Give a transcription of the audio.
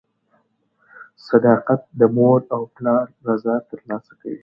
• صداقت د مور او پلار رضا ترلاسه کوي.